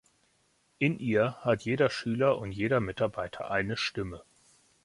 In ihr hat jeder Schüler und jeder Mitarbeiter eine Stimme.